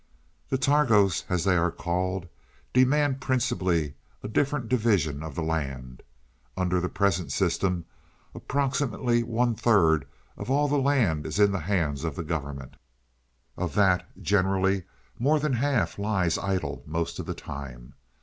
"The Targos, as they are called, demand principally a different division of the land. Under the present system, approximately one third of all the land is in the hands of the government. Of that, generally more than half lies idle most of the time.